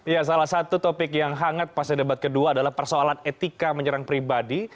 ya salah satu topik yang hangat pas debat kedua adalah persoalan etika menyerang pribadi